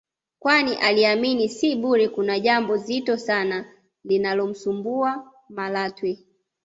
kwani aliamini si bure kuna jambo zito sana linalomsumbua Malatwe